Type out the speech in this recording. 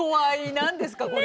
何ですかこれ。